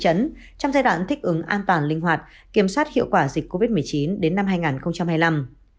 trong giai đoạn thích ứng an toàn linh hoạt kiểm soát hiệu quả dịch covid một mươi chín đến năm hai nghìn hai mươi năm